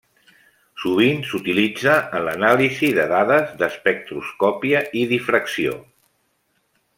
Sovint s'utilitza en l'anàlisi de dades d'espectroscòpia i difracció.